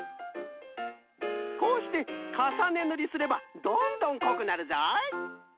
こうしてかさねぬりすればどんどんこくなるぞい。